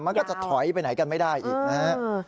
มันก็จะถอยไปไหนกันไม่ได้อีกนะฮะ